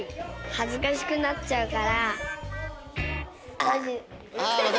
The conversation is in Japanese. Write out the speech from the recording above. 恥ずかしくなっちゃうから。